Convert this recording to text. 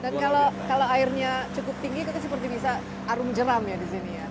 dan kalau airnya cukup tinggi seperti bisa arum jeram ya di sini ya